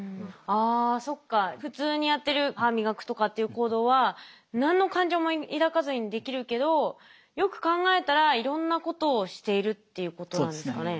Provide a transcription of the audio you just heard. あそっか普通にやってる歯磨くとかっていう行動は何の感情も抱かずにできるけどよく考えたらいろんなことをしているっていうことなんですかね。